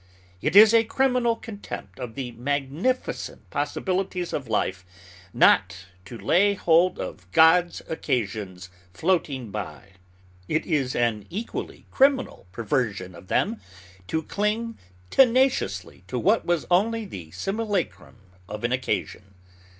It is a criminal contempt of the magnificent possibilities of life not to lay hold of "God's occasions floating by." It is an equally criminal perversion of them to cling tenaciously to what was only the simulacrum of an occasion.